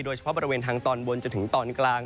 โดยเฉพาะบริเวณทางตอนบนจนถึงตอนกลาง